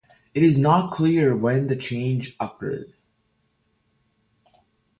It is not clear when the change occurred.